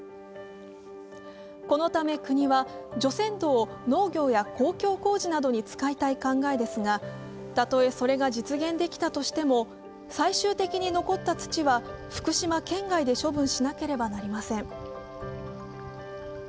このため国は、除染土を農業や公共工事などに使いたい考えですが、たとえそれが実現できたとしても、最終的に残った土は福島県外で処分しなければなりません。